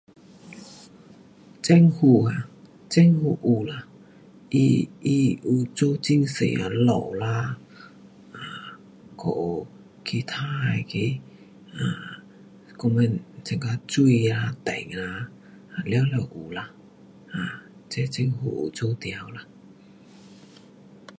政府啊，政府有啦，它，它有做很多的路啦。um 还有其他那个 um 我们这个水呀，电啊，全部有啦，这政府有做掉啦。